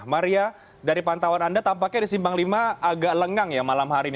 maria dari pantauan anda tampaknya di simpang lima agak lengang ya malam hari ini